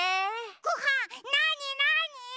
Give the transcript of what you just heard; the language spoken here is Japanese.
ごはんなになに？